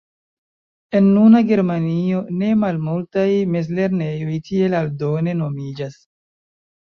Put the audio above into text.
En nuna Germanio ne malmultaj mezlernejoj tiel aldone nomiĝas.